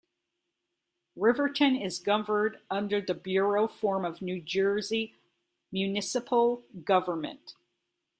Riverton is governed under the Borough form of New Jersey municipal government.